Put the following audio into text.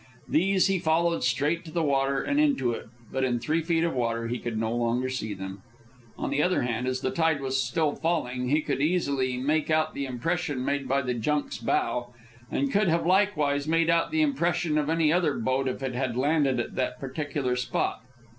These he followed straight to the water and into it, but in three feet of water he could no longer see them. On the other hand, as the tide was still falling, he could easily make out the impression made by the junk's bow, and could have likewise made out the impression of any other boat if it had landed at that particular spot.